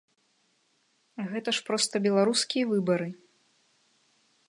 Гэта ж проста беларускія выбары!